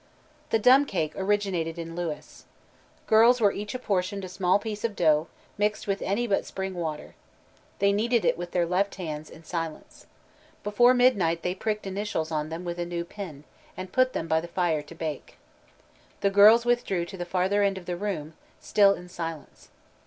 The "dumb cake" originated in Lewis. Girls were each apportioned a small piece of dough, mixed with any but spring water. They kneaded it with their left thumbs, in silence. Before midnight they pricked initials on them with a new pin, and put them by the fire to bake. The girls withdrew to the farther end of the room, still in silence.